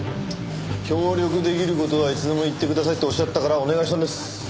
協力出来る事はいつでも言ってくださいっておっしゃったからお願いしたんです。